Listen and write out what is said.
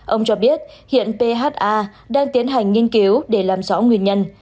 ông cho biết hiện phà đang tiến hành nghiên cứu để làm rõ nguyên nhân